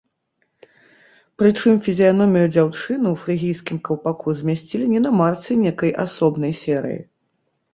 Прычым фізіяномію дзяўчыны ў фрыгійскім каўпаку змясцілі не на марцы нейкай асобнай серыі.